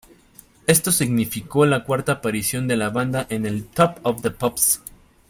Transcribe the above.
Esto significó la cuarta aparición de la banda en el "Top of the Pops".